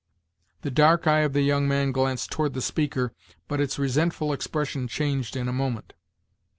The dark eye of the young man glanced toward the speaker, but its resentful expression changed in a moment.